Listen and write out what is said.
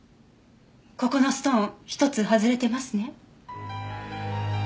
ここのストーン１つ外れてますね。